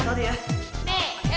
nih liatin lagi